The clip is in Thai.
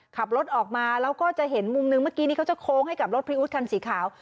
ขับรถออกมาแล้วก็จะเห็นมุมหนึ่งเมื่อกี้นี้เขาจะโค้งให้กับรถพรีอู๊ดคันสีขาว